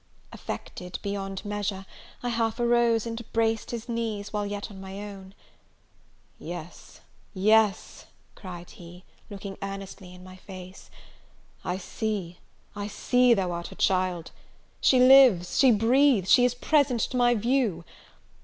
Affected beyond measure, I half arose, and embraced his knees, while yet on my own. "Yes, yes," cried he, looking earnestly in my face, "I see, I see thou art her child! she lives she breathes, she is present to my view!